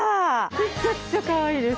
めちゃくちゃかわいいです。